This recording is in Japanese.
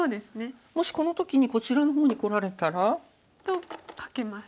もしこの時にこちらの方にこられたら？とカケます。